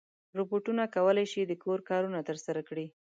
روبوټونه کولی شي د کور کارونه ترسره کړي.